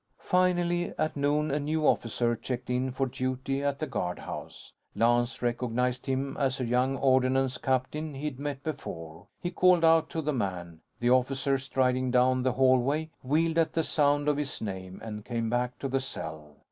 Finally, at noon a new officer checked in for duty at the guardhouse. Lance recognized him as a young ordinance captain he'd met before. He called out to the man. The officer, striding down the hallway, wheeled at the sound of his name and came back to the cell.